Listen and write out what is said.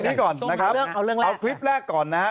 อันนี้ก่อนนะครับเอาคลิปแรกก่อนนะครับ